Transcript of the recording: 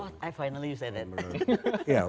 oh akhirnya saya bilang begitu